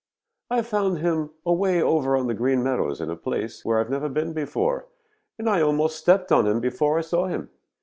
"I found him away over on the Green Meadows in a place where I have never been before, and I almost stepped on him before I saw him.